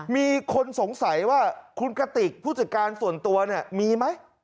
มีคนสงสัยว่าคุณกติกผู้จัดการส่วนตัวเนี่ยมีไหม